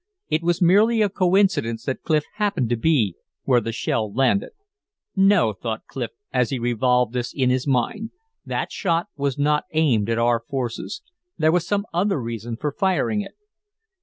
It was merely a coincidence that Clif happened to be where the shell landed. "No," thought Clif as he revolved this in his mind, "that shot was not aimed at our forces. There was some other reason for firing it."